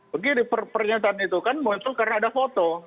begini pernyataan itu kan muncul karena ada foto